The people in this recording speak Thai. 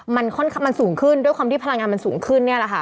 มันสูงขึ้นด้วยความที่พลังงานมันสูงขึ้นเนี่ยแหละค่ะ